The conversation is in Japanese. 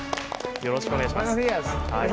よろしくお願いします。